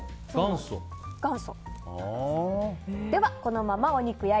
元祖。